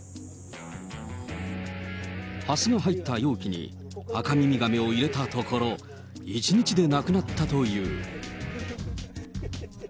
ハスの入った容器にアカミミガメを入れたところ、１日でなくなったという。